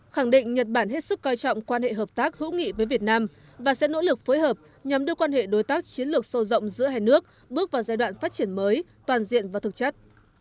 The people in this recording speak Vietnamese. khẳng định nhật bản hết sức coi trọng quan hệ hợp tác hữu nghị với việt nam và sẽ nỗ lực phối hợp nhằm đưa quan hệ đối tác chiến lược sâu rộng giữa hai nước bước vào giai đoạn phát triển mới toàn diện và thực chất